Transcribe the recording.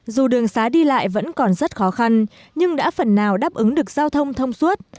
dù đường xá đi lại vẫn còn rất khó khăn nhưng đã phần nào đáp ứng được giao thông thông suốt